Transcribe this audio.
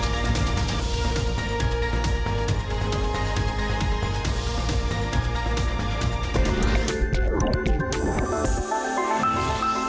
โปรดติดตามตอนต่อไป